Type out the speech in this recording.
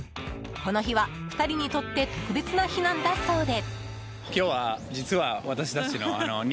この日は２人にとって特別な日なんだそうで。